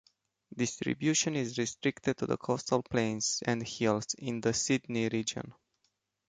Distribution is restricted to the coastal plains and hills in the Sydney region.